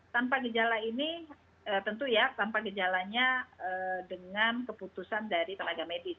tanpa gejala ini tentu ya tanpa gejalanya dengan keputusan dari tenaga medis